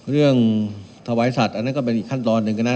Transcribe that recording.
ถวายสัตว์อันนั้นก็เป็นอีกขั้นตอนหนึ่งกันนะ